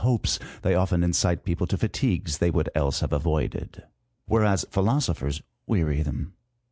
hopes, they often incite people to fatigues they would else have avoided ; whereas philosophers weary them.